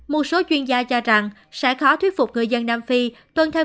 một số chuyên gia cho rằng sẽ khó thuyết phục người dân nam phi tuân theo